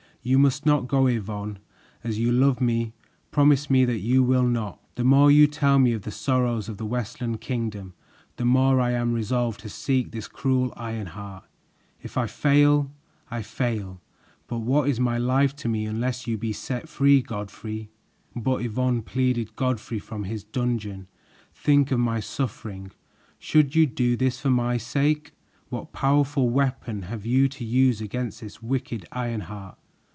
You must not go, Yvonne; as you love me, promise me that you will not." "The more you tell me of the sorrows of the Westland Kingdom, the more I am resolved to seek this cruel Ironheart. If I fail, I fail, but what is my life to me unless you be set free, Godfrey?" "But, Yvonne," pleaded Godfrey from his dungeon, "think of my suffering, should you do this for my sake. What powerful weapon have you to use against this wicked Ironheart?"